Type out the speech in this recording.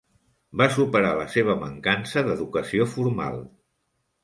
Va superar la seva mancança d'educació formal.